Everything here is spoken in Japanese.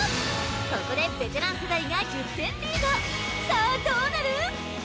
ここでベテラン世代が１０点リードさあどうなる？